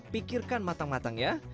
pikirkan matang matang ya